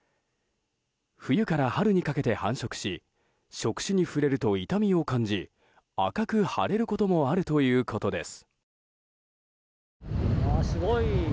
冬から春にかけて繁殖し触手に触れると痛みを感じ赤く腫れることもあるということです。